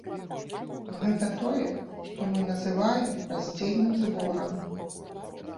Гэта тое, што мы называем раздзельным зборам.